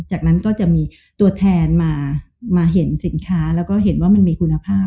จากนั้นก็จะมีตัวแทนมาเห็นสินค้าแล้วก็เห็นว่ามันมีคุณภาพ